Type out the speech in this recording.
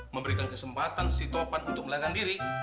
memberikan kesempatan si topan untuk melahirkan diri